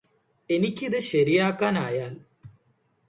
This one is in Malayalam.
എനിക്കിത് ശരിയാക്കാനായാല്